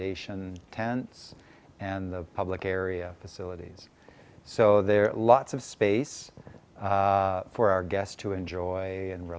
jadi ada banyak ruang untuk para pelanggan kita menikmati relaks dan mengembangkan diri